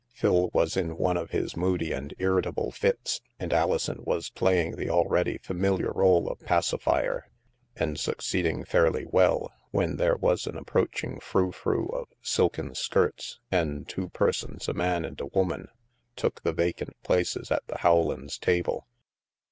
Phil was in one of his moody 114 THE MASK and irritable fits, and Alison was playing the al ready familiar role of pacifier, and succeeding fairly well, when there was an approaching froufrou of silken skirts, and two persons, a man and a woman, took the vacant places at the Rowlands' table.